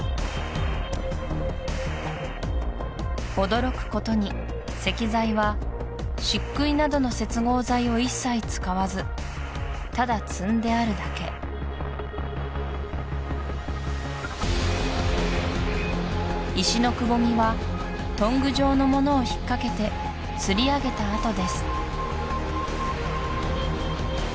驚くことに石材は漆喰などの接合剤を一切使わずただ積んであるだけ石のくぼみはトング状のものを引っかけて吊り上げた跡です